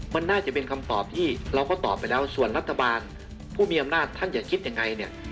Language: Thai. มันน่าจะเป็นคำตอบที่เราก็ตอบไปแล้วส่วนรัฐบาลผู้มีอำนาจท่านจะคิดยังไงเนี่ย